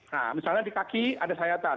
nah misalnya di kaki ada sayatan